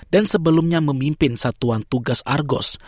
dan sebelumnya memimpin satuan tugas argos